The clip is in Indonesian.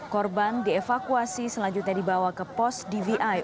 korban dievakuasi selanjutnya dibawa ke pos dvi